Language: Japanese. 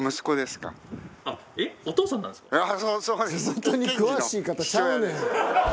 地元に詳しい方ちゃうねん。